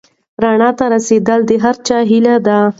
رڼا ته رسېدل د هر چا هیله ده.